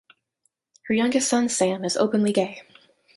Her youngest son, Sam, is openly gay.